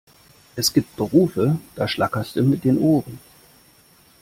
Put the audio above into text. Es gibt Berufe, da schlackerste mit den Ohren!